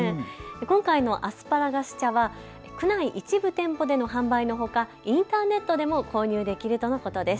今回のアスパラガス茶は区内一部店舗での販売のほかインターネットでも購入できるとのことです。